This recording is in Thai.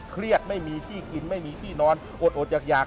เครียดไม่มีที่กินไม่มีที่นอนอดอยาก